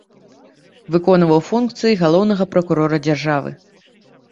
Выконваў функцыі галоўнага пракурора дзяржавы.